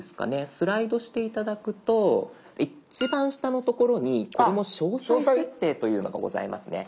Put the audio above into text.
スライドして頂くと一番下の所にこれも「詳細設定」というのがございますね。